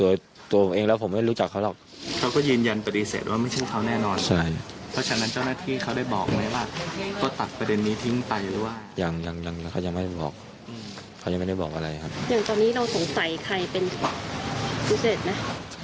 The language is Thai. อย่างตอนนี้เราสงสัยใครเป็นผู้เสร็จมั้ย